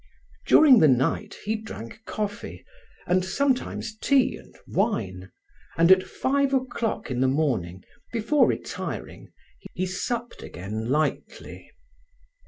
During the night he drank coffee, and sometimes tea and wine, and at five o'clock in the morning, before retiring, he supped again lightly.